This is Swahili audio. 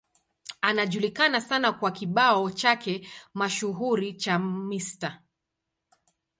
Anajulikana sana kwa kibao chake mashuhuri cha Mr.